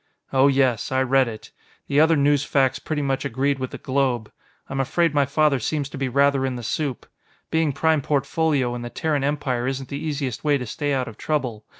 "Oh, yes. I read it. The other newsfacs pretty much agreed with the Globe. I'm afraid my father seems to be rather in the soup. Being Prime Portfolio in the Terran Empire isn't the easiest way to stay out of trouble.